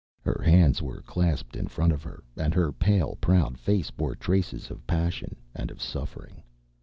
Her hands were clasped in front of her, and her pale proud face bore traces of passion and of suffering.